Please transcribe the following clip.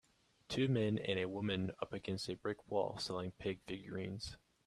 Two men and a woman up against a brick wall selling pig figurines.